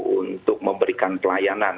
untuk memberikan pelayanan